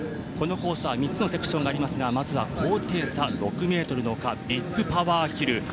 このコースは３つのセクションがありますがまずは高低差６ｍのカーブビッグパワーヒル。